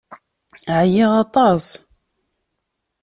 Ɛyiɣ aṭas!